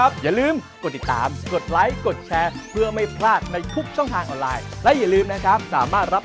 สวัสดีครับ